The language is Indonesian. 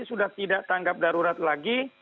sudah tidak tanggap darurat lagi